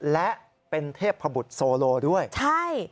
และเป็นเทพบุตรโซโลด้วยใช่